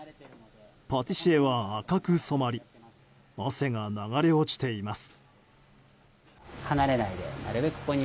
パティシエは赤く染まり汗が流れ落ちています。